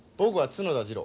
角田次郎。